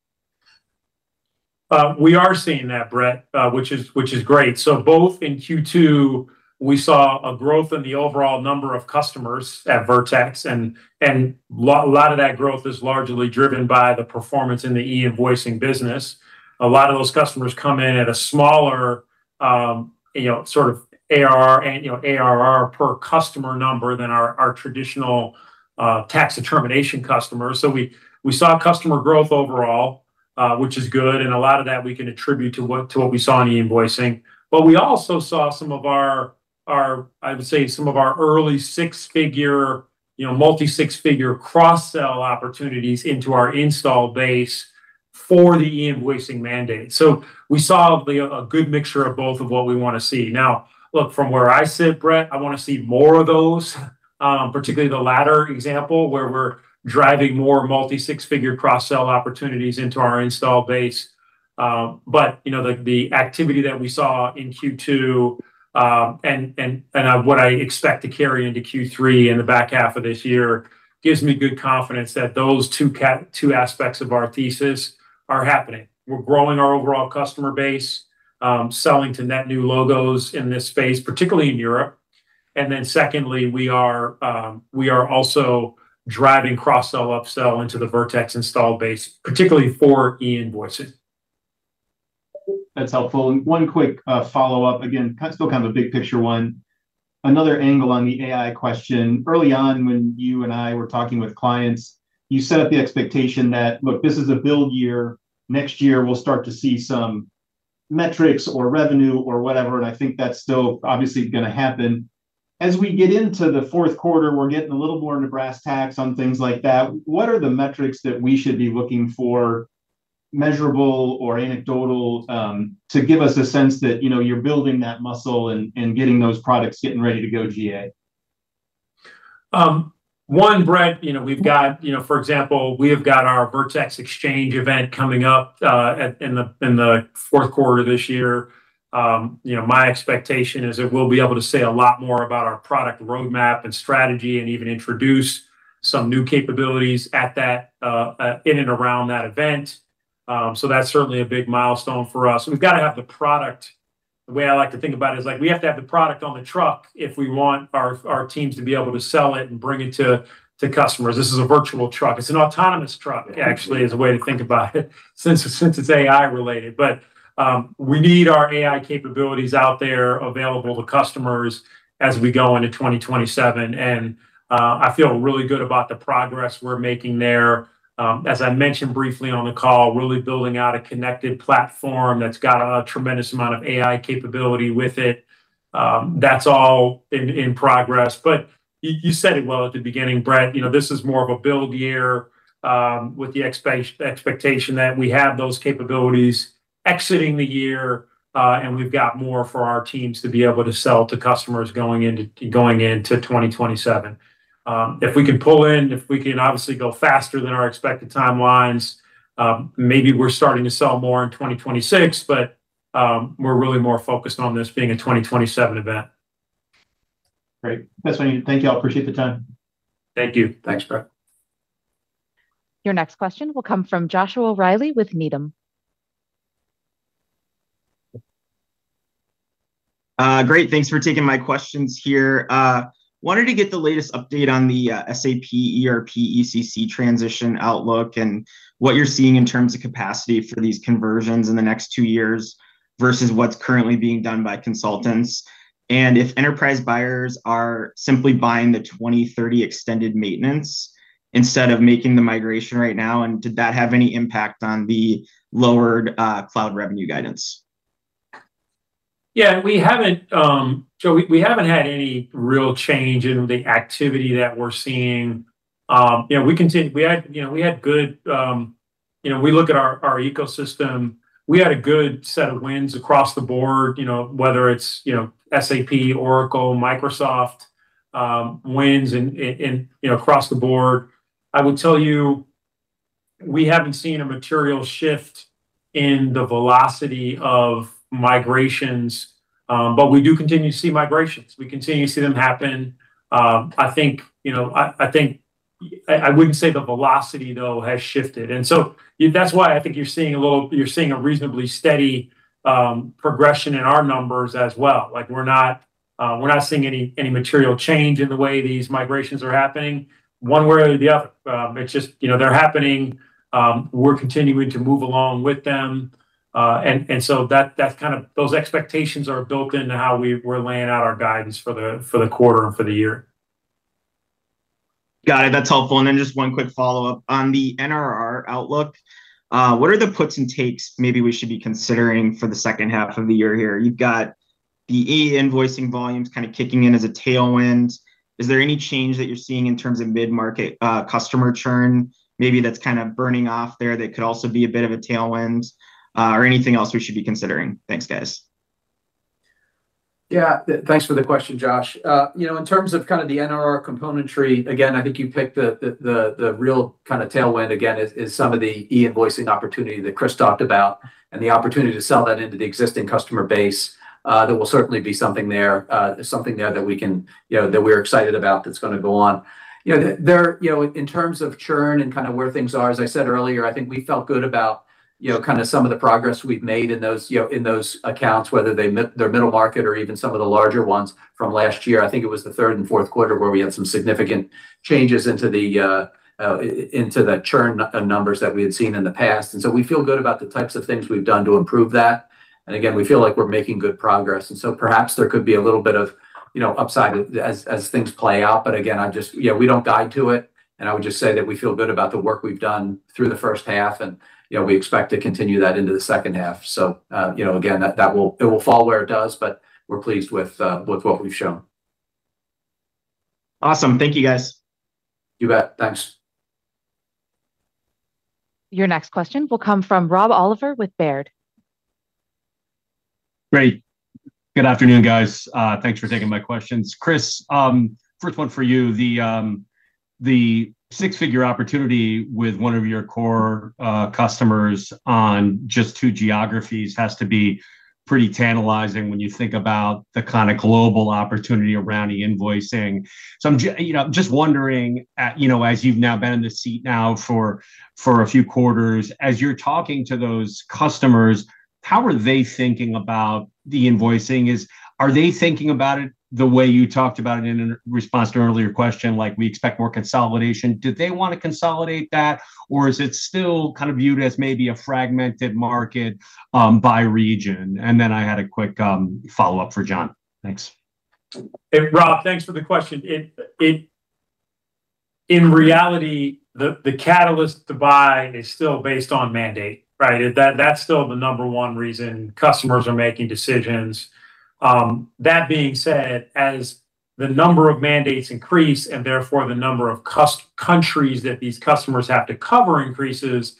We are seeing that, Brett, which is great. Both in Q2, we saw a growth in the overall number of customers at Vertex, and a lot of that growth is largely driven by the performance in the e-invoicing business. A lot of those customers come in at a smaller ARR per customer number than our traditional tax determination customer. We saw customer growth overall, which is good, and a lot of that we can attribute to what we saw in the e-invoicing. We also saw some of our, I would say, some of our early six-figure, multi six-figure cross-sell opportunities into our install base for the e-invoicing mandate. We saw a good mixture of both of what we want to see. Now, look, from where I sit, Brett, I want to see more of those, particularly the latter example, where we're driving more multi six-figure cross-sell opportunities into our install base. The activity that we saw in Q2, and what I expect to carry into Q3 in the back half of this year, gives me good confidence that those two aspects of our thesis are happening. We're growing our overall customer base, selling to net new logos in this space, particularly in Europe. Secondly, we are also driving cross-sell, upsell into the Vertex install base, particularly for e-invoicing. That's helpful. One quick follow-up, again, still kind of a big picture one. Another angle on the AI question. Early on when you and I were talking with clients, you set up the expectation that, look, this is a build year. Next year, we'll start to see some metrics or revenue or whatever, and I think that's still obviously going to happen. As we get into the fourth quarter, we're getting a little more brass tacks on things like that. What are the metrics that we should be looking for, measurable or anecdotal, to give us a sense that you're building that muscle and getting those products getting ready to go GA? Brett, for example, we have got our Vertex Exchange event coming up in the fourth quarter this year. My expectation is that we'll be able to say a lot more about our product roadmap and strategy and even introduce some new capabilities in and around that event. That's certainly a big milestone for us. We've got to have the product. The way I like to think about it is like we have to have the product on the truck if we want our teams to be able to sell it and bring it to customers. This is a virtual truck. It's an autonomous truck, actually, is a way to think about it since it's AI related. We need our AI capabilities out there available to customers as we go into 2027. I feel really good about the progress we're making there. As I mentioned briefly on the call, really building out a connected platform that's got a tremendous amount of AI capability with it. That's all in progress. You said it well at the beginning, Brett. This is more of a build year with the expectation that we have those capabilities exiting the year, and we've got more for our teams to be able to sell to customers going into 2027. If we can pull in, if we can obviously go faster than our expected timelines, maybe we're starting to sell more in 2026, but we're really more focused on this being a 2027 event. Great. That's what I need. Thank you. I appreciate the time. Thank you. Thanks, Brett. Your next question will come from Joshua Reilly with Needham. Great. Thanks for taking my questions here. Wanted to get the latest update on the SAP ERP ECC transition outlook and what you're seeing in terms of capacity for these conversions in the next two years versus what's currently being done by consultants. If enterprise buyers are simply buying the 2030 extended maintenance instead of making the migration right now, did that have any impact on the lowered cloud revenue guidance? We haven't had any real change in the activity that we're seeing. We look at our ecosystem. We had a good set of wins across the board, whether it's SAP, Oracle, Microsoft wins, and across the board. I would tell you, we haven't seen a material shift in the velocity of migrations. We do continue to see migrations. We continue to see them happen. I wouldn't say the velocity, though, has shifted. That's why I think you're seeing a reasonably steady progression in our numbers as well. We're not seeing any material change in the way these migrations are happening one way or the other. They're happening. We're continuing to move along with them. Those expectations are built into how we're laying out our guidance for the quarter and for the year. Got it. That's helpful. Just one quick follow-up. On the NRR outlook, what are the puts and takes maybe we should be considering for the second half of the year here? You've got the e-invoicing volumes kicking in as a tailwind. Is there any change that you're seeing in terms of mid-market customer churn maybe that's burning off there that could also be a bit of a tailwind? Anything else we should be considering? Thanks, guys. Yeah. Thanks for the question, Josh. In terms of the NRR componentry, again, I think you picked the real tailwind, again, is some of the e-invoicing opportunity that Chris talked about and the opportunity to sell that into the existing customer base. There will certainly be something there that we're excited about that's going to go on. In terms of churn and where things are, as I said earlier, I think we felt good about some of the progress we've made in those accounts, whether they're middle market or even some of the larger ones from last year. I think it was the third and fourth quarter where we had some significant changes into the churn numbers that we had seen in the past. We feel good about the types of things we've done to improve that. Again, we feel like we're making good progress, perhaps there could be a little bit of upside as things play out. Again, we don't guide to it. I would just say that we feel good about the work we've done through the first half, and we expect to continue that into the second half. Again, it will fall where it does, but we're pleased with what we've shown. Awesome. Thank you, guys. You bet. Thanks. Your next question will come from Rob Oliver with Baird. Great. Good afternoon, guys. Thanks for taking my questions. Chris, first one for you. The six-figure opportunity with one of your core customers on just two geographies has to be pretty tantalizing when you think about the kind of global opportunity around the invoicing. I'm just wondering as you've now been in the seat now for a few quarters, as you're talking to those customers, how are they thinking about the invoicing? Are they thinking about it the way you talked about it in response to an earlier question, like we expect more consolidation? Do they want to consolidate that, or is it still viewed as maybe a fragmented market by region? And then I had a quick follow-up for John. Thanks. Hey, Rob. Thanks for the question. In reality, the catalyst to buy is still based on mandate, right? That's still the number one reason customers are making decisions. That being said, as the number of mandates increase and therefore the number of countries that these customers have to cover increases,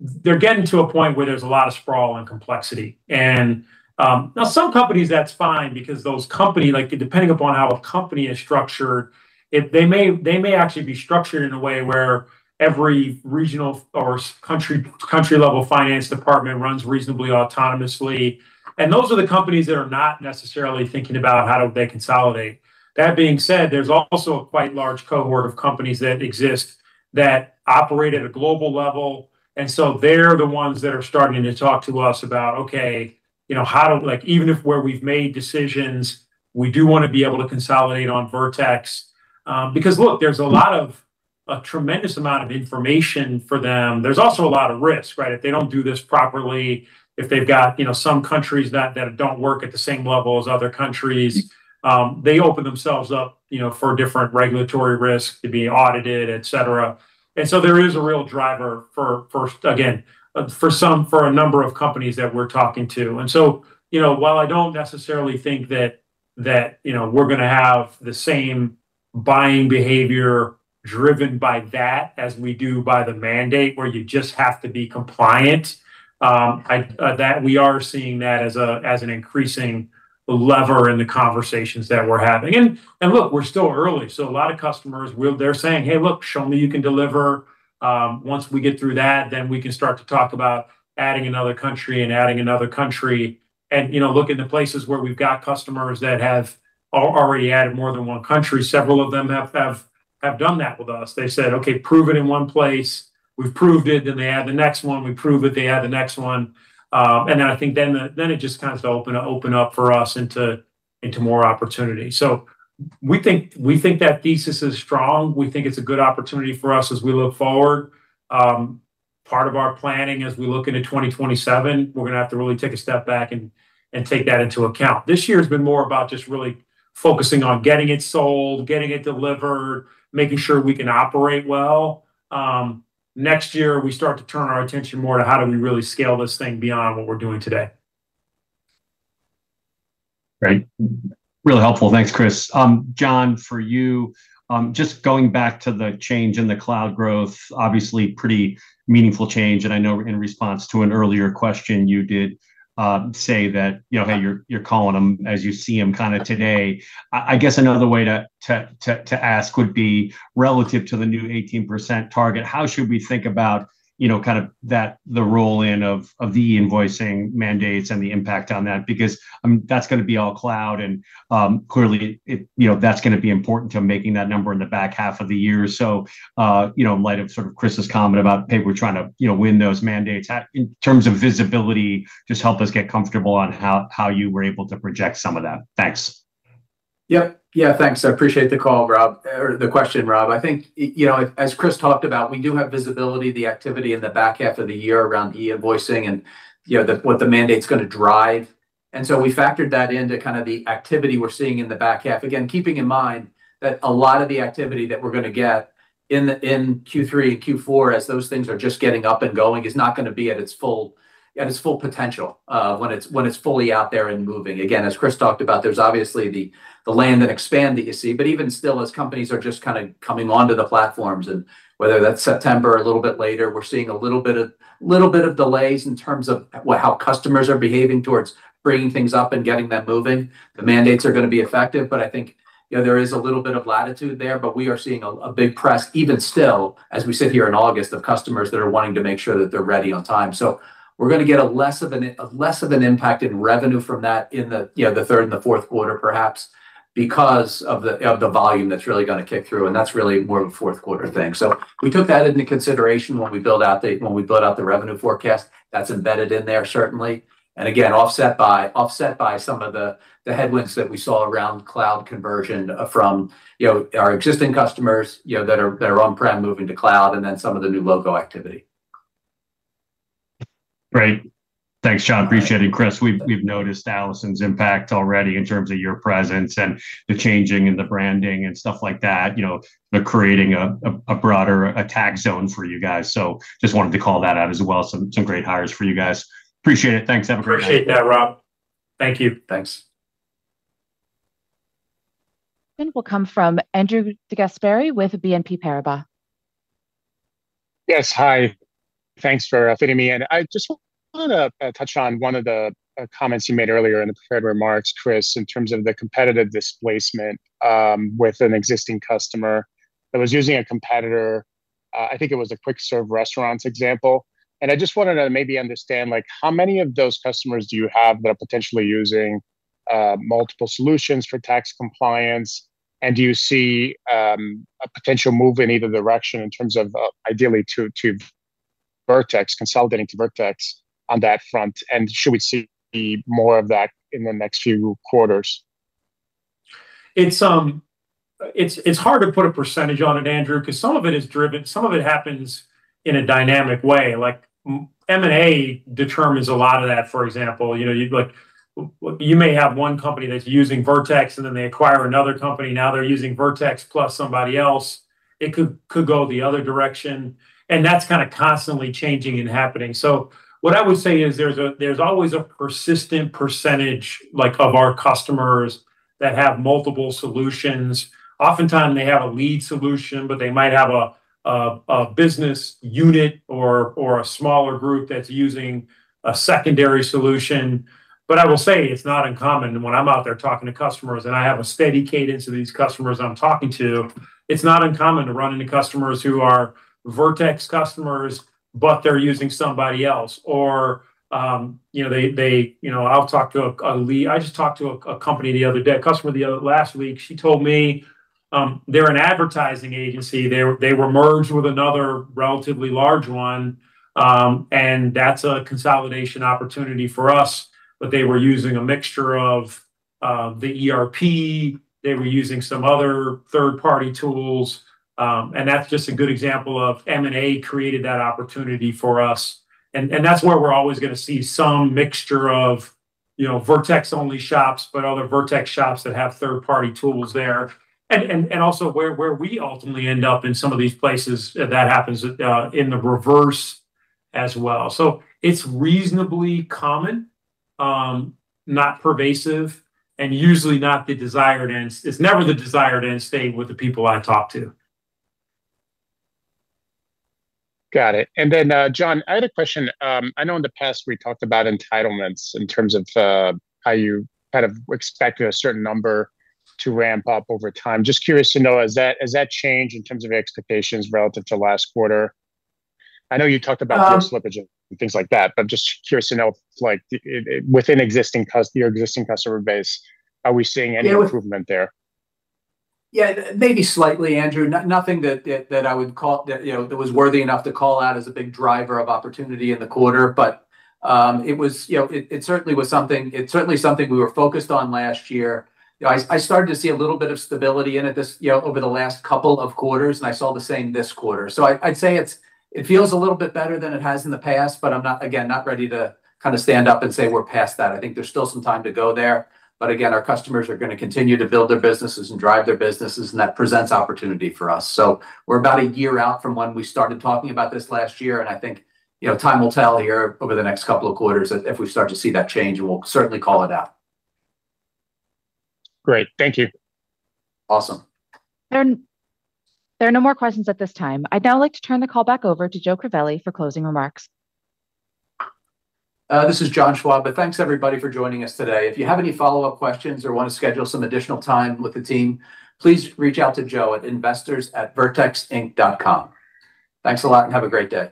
they're getting to a point where there's a lot of sprawl and complexity. Now some companies, that's fine because depending upon how a company is structured, they may actually be structured in a way where every regional or country-level finance department runs reasonably autonomously. Those are the companies that are not necessarily thinking about how do they consolidate. That being said, there's also a quite large cohort of companies that exist that operate at a global level. They're the ones that are starting to talk to us about, okay, even if where we've made decisions, we do want to be able to consolidate on Vertex. Because look, there's a tremendous amount of information for them. There's also a lot of risk, right? If they don't do this properly, if they've got some countries that don't work at the same level as other countries, they open themselves up for different regulatory risk to be audited, et cetera. There is a real driver, again, for a number of companies that we're talking to. While I don't necessarily think that we're going to have the same buying behavior driven by that as we do by the mandate where you just have to be compliant, we are seeing that as an increasing lever in the conversations that we're having. Look, we're still early, a lot of customers, they're saying, "Hey, look, show me you can deliver. Once we get through that, then we can start to talk about adding another country and adding another country." Look into places where we've got customers that have already added more than one country. Several of them have done that with us. They said, "Okay, prove it in one place." We've proved it, then they add the next one. We prove it, they add the next one. Then I think then it just opens up for us into more opportunity. We think that thesis is strong. We think it's a good opportunity for us as we look forward. Part of our planning as we look into 2027, we're going to have to really take a step back and take that into account. This year has been more about just really focusing on getting it sold, getting it delivered, making sure we can operate well. Next year, we start to turn our attention more to how do we really scale this thing beyond what we're doing today. Great. Really helpful. Thanks, Chris. John, for you, just going back to the change in the cloud growth. Obviously, pretty meaningful change, and I know in response to an earlier question, you did say that, hey, you're calling them as you see them kind of today. I guess another way to ask would be relative to the new 18% target, how should we think about the roll-in of the e-invoicing mandates and the impact on that? Because that's going to be all cloud, and clearly, that's going to be important to making that number in the back half of the year. In light of Chris's comment about, "Hey, we're trying to win those mandates," in terms of visibility, just help us get comfortable on how you were able to project some of that. Thanks. Yeah. Thanks. I appreciate the call, Rob, or the question, Rob. I think, as Chris talked about, we do have visibility of the activity in the back half of the year around e-invoicing, and what the mandate's going to drive. We factored that into the activity we're seeing in the back half. Again, keeping in mind that a lot of the activity that we're going to get in Q3 and Q4, as those things are just getting up and going, is not going to be at its full potential when it's fully out there and moving. As Chris talked about, there's obviously the land and expand that you see, but even still, as companies are just coming onto the platforms, and whether that's September or a little bit later, we're seeing a little bit of delays in terms of how customers are behaving towards bringing things up and getting that moving. The mandates are going to be effective, but I think there is a little bit of latitude there. We are seeing a big press, even still, as we sit here in August, of customers that are wanting to make sure that they're ready on time. We're going to get less of an impact in revenue from that in the third and the fourth quarter, perhaps, because of the volume that's really going to kick through. That's really more of a fourth quarter thing. We took that into consideration when we built out the revenue forecast. That's embedded in there, certainly. Again, offset by some of the headwinds that we saw around cloud conversion from our existing customers that are on-prem moving to cloud, and then some of the new logo activity. Great. Thanks, John. Appreciate it. Chris, we've noticed Allison's impact already in terms of your presence and the changing in the branding and stuff like that. They're creating a broader attack zone for you guys. Just wanted to call that out as well. Some great hires for you guys. Appreciate it. Thanks. Have a great day. Appreciate that, Rob. Thank you. Thanks. We'll come from Andrew DeGasperi with BNP Paribas. Yes, hi. Thanks for fitting me in. I just want to touch on one of the comments you made earlier in the prepared remarks, Chris, in terms of the competitive displacement with an existing customer that was using a competitor. I think it was a quick-serve restaurants example. I just wanted to maybe understand how many of those customers do you have that are potentially using multiple solutions for tax compliance? Do you see a potential move in either direction in terms of ideally to Vertex, consolidating to Vertex on that front? Should we see more of that in the next few quarters? It's hard to put a percentage on it, Andrew, because some of it happens in a dynamic way. Like M&A determines a lot of that, for example. You may have one company that's using Vertex, and then they acquire another company, now they're using Vertex plus somebody else. It could go the other direction. That's kind of constantly changing and happening. What I would say is there's always a persistent percentage of our customers that have multiple solutions. Often times they have a lead solution, but they might have a business unit or a smaller group that's using a secondary solution. I will say it's not uncommon when I'm out there talking to customers, and I have a steady cadence of these customers I'm talking to. It's not uncommon to run into customers who are Vertex customers, but they're using somebody else. I just talked to a company the other day, a customer last week. She told me they're an advertising agency. They were merged with another relatively large one, that's a consolidation opportunity for us. They were using a mixture of the ERP. They were using some other third-party tools. That's just a good example of M&A created that opportunity for us. That's where we're always going to see some mixture of Vertex-only shops, but other Vertex shops that have third-party tools there. Also where we ultimately end up in some of these places, that happens in the reverse as well. It's reasonably common, not pervasive, and usually not the desired end. It's never the desired end state with the people I talk to. Got it. John, I had a question. I know in the past we talked about entitlements in terms of how you expect a certain number to ramp up over time. Just curious to know, has that changed in terms of expectations relative to last quarter? I know you talked about slippages and things like that, just curious to know within your existing customer base, are we seeing any improvement there? Yeah, maybe slightly, Andrew. Nothing that was worthy enough to call out as a big driver of opportunity in the quarter. It's certainly something we were focused on last year. I started to see a little bit of stability in it over the last couple of quarters, and I saw the same this quarter. I'd say it feels a little bit better than it has in the past, I'm, again, not ready to stand up and say we're past that. I think there's still some time to go there. Again, our customers are going to continue to build their businesses and drive their businesses, and that presents opportunity for us. We're about a year out from when we started talking about this last year, and I think time will tell here over the next couple of quarters. If we start to see that change, we'll certainly call it out. Great. Thank you. Awesome. There are no more questions at this time. I'd now like to turn the call back over to Joe Crivelli for closing remarks. This is John Schwab. Thanks everybody for joining us today. If you have any follow-up questions or want to schedule some additional time with the team, please reach out to joeatinvestorsatvertexinc.com. Thanks a lot and have a great day